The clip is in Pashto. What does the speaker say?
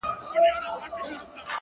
زما خوښي د ښار د ښكلو په خندا كي اوسي.!